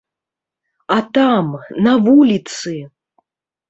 А там, на вуліцы!